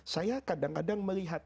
saya kadang kadang melihat